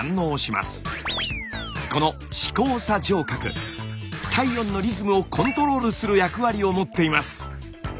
この視交叉上核体温のリズムをコントロールする役割を持っています。